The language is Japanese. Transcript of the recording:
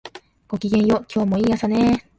ごきげんよう、今日もいい朝ね